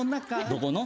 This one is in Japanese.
どこの？